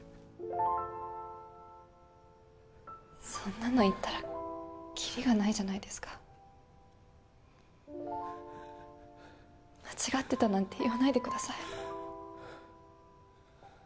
そんなの言ったらきりがないじゃないですか間違ってたなんて言わないでください